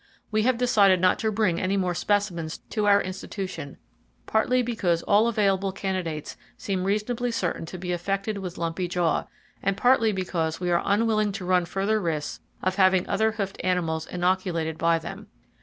We have decided not to bring any more specimens to our institution, partly because all available candidates seem reasonably certain to be affected with lumpy jaw, and partly because we are unwilling to run further risks of having other hoofed animals inoculated by them.